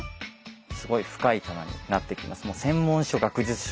すごい深い棚になってきます。